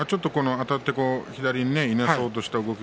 あたって左にいなそうとした動き